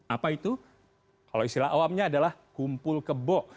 apa itu kalau istilah awamnya adalah kumpul kebo